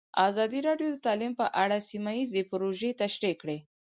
ازادي راډیو د تعلیم په اړه سیمه ییزې پروژې تشریح کړې.